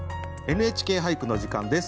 「ＮＨＫ俳句」の時間です。